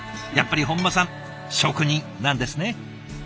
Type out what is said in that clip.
やっぱり本間さん職人なんですね。